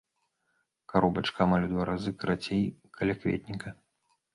Каробачка амаль у два разы карацей калякветніка.